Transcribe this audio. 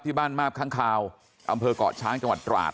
ที่บ้านมาหักข้างข่าวอำเภอก่อนช้างจตราหท